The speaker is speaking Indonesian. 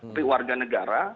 tapi warga negara